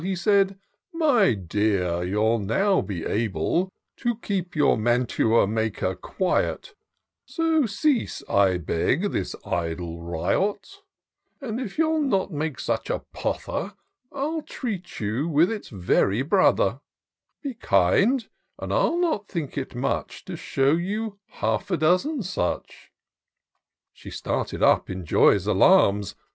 He said, " My dear, you'll now be able To keep your mantua maker quiet ; So cease, I beg, this idle riot : And, if you'll not make such a pother, I'll treat you with its very brother : Be kind — and I'll not think it much To shew you half a dozen such." She started up in joy's alarms.